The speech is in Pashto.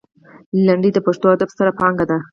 لنډۍ د پښتو ادب ستره پانګه ده.